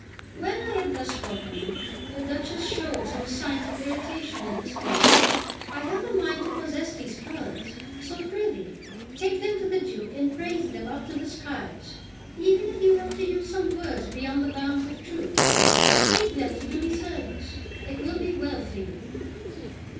When I had thus spoken, the Duchess showed some signs of irritation, and exclaimed: "I have a mind to possess these pearls; so, prithee, take them to the Duke, and praise them up to the skies; even if you have to use some words beyond the bounds of truth, speak them to do me service; it will be well for you!"